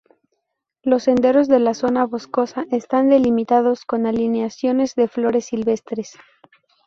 Los senderos de la zona boscosa están delimitados con alineaciones de flores silvestres.